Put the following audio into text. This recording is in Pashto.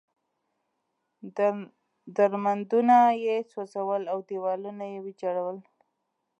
درمندونه یې سوځول او دېوالونه یې ویجاړول.